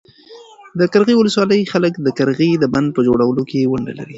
د قرغیو ولسوالۍ خلک د قرغې د بند په جوړولو کې ونډه لري.